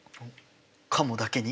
カモだけに。